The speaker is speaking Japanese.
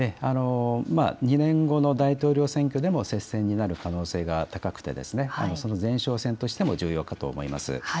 ２年後の大統領選挙でも接戦になる可能性が高くてその前哨戦としても重要かと思います。